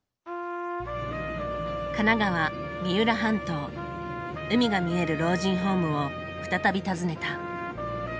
神奈川・三浦半島海が見える老人ホームを再び訪ねた。